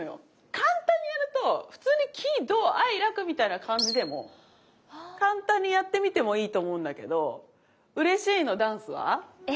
簡単にやると普通に喜・怒・哀・楽みたいな感じでも簡単にやってみてもいいと思うんだけどうれしいの「ｄａｎｃｅ」は？え？